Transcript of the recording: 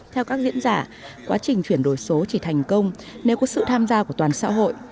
theo các diễn giả quá trình chuyển đổi số chỉ thành công nếu có sự tham gia của toàn xã hội